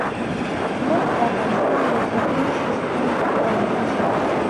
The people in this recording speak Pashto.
نفت د افغانستان د طبعي سیسټم توازن ساتي.